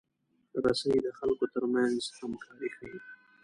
رسۍ د خلکو ترمنځ همکاري ښيي.